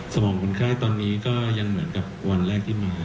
มองคนไข้ตอนนี้ก็ยังเหมือนกับวันแรกที่มา